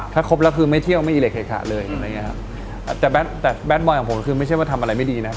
ถ้าครบแล้วคือไม่เที่ยวไม่อิเล็กเคยขาเลยแต่แบทบอยของผมคือไม่ใช่ว่าทำอะไรไม่ดีนะ